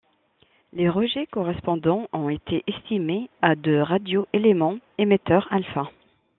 Les rejets correspondants ont été estimés à de radio-éléments émetteurs alpha.